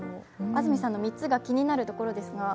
安住さんの３つが気になるところですけど。